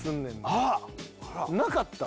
なかった？